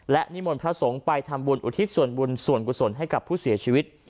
และนิมนต์พระสงฆ์ไปทำบุญอุทิศส่วนบุญส่วนกุศลให้กับผู้เสียชีวิต